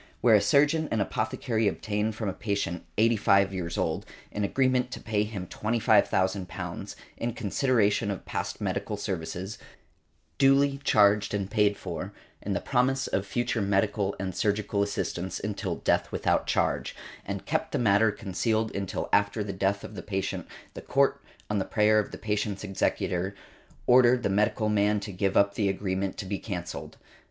Where a surgeon and apothecary obtained from a patient, eighty five years old, an agreement to pay him £25,000, in consideration of past medical services, duly charged and paid for, and the promise of future medical and surgical assistance until death without charge, and kept the matter concealed until after the death of the patient, the Court, on the prayer of the patient's executor, ordered the medical man to give up the agreement to be cancelled.